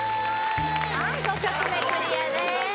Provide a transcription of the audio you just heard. はい５曲目クリアです